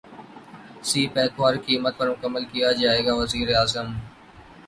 سی pack کو ہر قیمت پر مکمل کیا جائے گا وزیراعظم